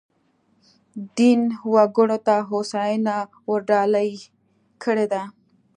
دین وګړو ته هوساینه ورډالۍ کړې ده.